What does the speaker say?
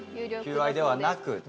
求愛ではなく。